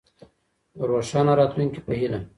د روښانه راتلونکي په هيله.